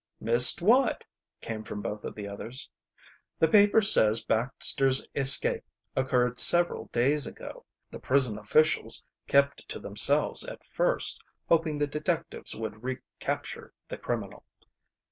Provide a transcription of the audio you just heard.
"Missed what?" came from both of the others. "The paper says Baxter's escape occurred several days ago. The prison' officials kept it to themselves at first, hoping the detectives would re capture the criminal."